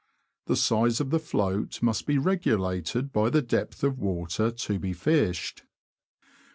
The size of float must be regulated by the depth of water to be fished.